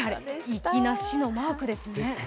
粋な市のマークですね。